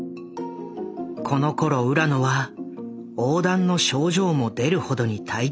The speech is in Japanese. このころ浦野はおうだんの症状も出るほどに体調が悪化。